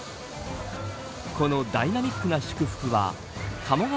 このダイナミックな祝福は鴨川